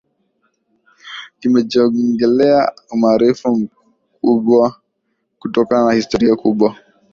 kimejizolea umaarufu mkubwa kutokana na historia kubwa